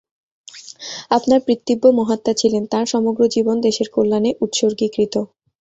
আপনার পিতৃব্য মহাত্মা ছিলেন, তাঁর সমগ্র জীবন দেশের কল্যাণে উৎসর্গীকৃত।